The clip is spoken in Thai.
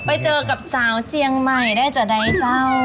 ไปเจอกับสาวเจียงใหม่ได้จะได้เจ้า